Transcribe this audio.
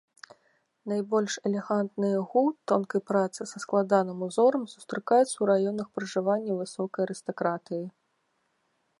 Найбольш элегантныя гу тонкай працы са складаным узорам сустракаюцца ў раёнах пражывання высокай арыстакратыі.